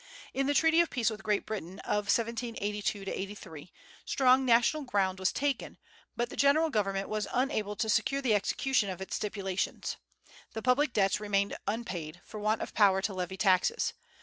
In the treaty of peace with Great Britain of 1782 83, strong national ground was taken; but the general government was unable to secure the execution of its stipulations. The public debts remained unpaid, for want of power to levy taxes.